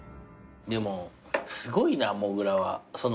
でもすごいなもぐらは。